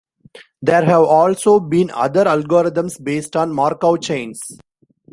There have also been other algorithms based on Markov chains.